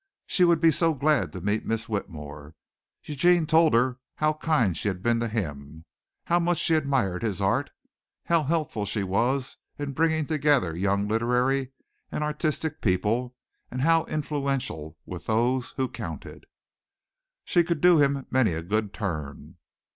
She would be so glad to meet Miss Whitmore. Eugene told her how kind she had been to him, how much she admired his art, how helpful she was in bringing together young literary and artistic people and how influential with those who counted. She could do him many a good turn.